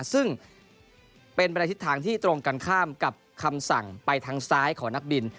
ซึ่งเป็นไปในทิศทางที่ตรงกันข้ามกับคำสั่งไปทางซ้ายของนักบิน